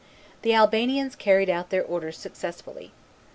The Albanians carried out their orders successfully.